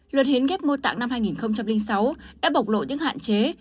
luật hiến ghép mô tạng năm hai nghìn sáu đã bộc lộ những hạn chế